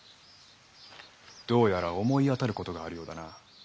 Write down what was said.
どうやら思い当たることがあるようだな。